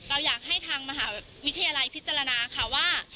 เราอยากให้ทางมหาวิทยาลัยพิจารณาค่ะว่า